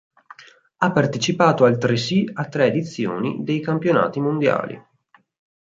Ha partecipato altresì a tre edizioni dei campionati mondiali.